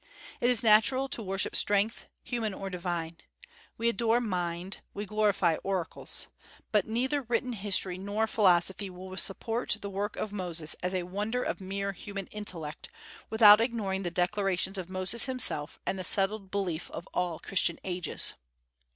It is natural to worship strength, human or divine. We adore mind; we glorify oracles. But neither written history nor philosophy will support the work of Moses as a wonder of mere human intellect, without ignoring the declarations of Moses himself and the settled belief of all Christian ages.